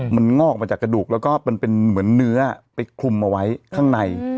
มันงอกมาจากกระดูกแล้วก็มันเป็นเหมือนเนื้อไปคลุมเอาไว้ข้างใน